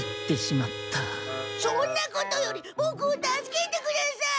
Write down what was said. そんなことよりボクを助けてください。